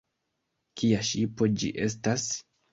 Kia ŝipo ĝi estas?